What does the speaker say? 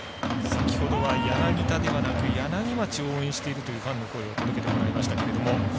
先ほどは柳田ではなく柳町を応援しているというファンの声を届けてもらいましたけれども。